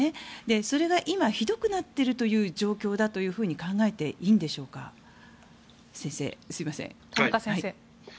それが今ひどくなっているという状況だと考えていいんでしょうか、先生。